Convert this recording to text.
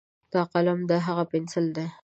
دا قلم ده، هاغه پینسل ده.